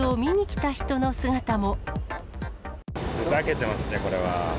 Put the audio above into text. ふざけてますね、これは。